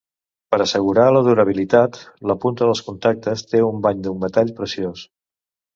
Per assegurar la durabilitat, la punta dels contactes té un bany d'un metall preciós.